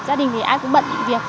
gia đình thì ai cũng bận việc